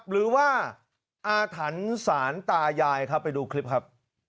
หรือว่าอาถรรพ์สารตายายครับไปดูคลิปครับ